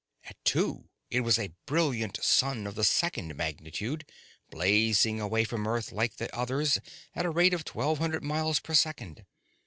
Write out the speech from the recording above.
At two it was a brilliant sun of the second magnitude blazing away from Earth like the others at a rate of twelve hundred miles per second.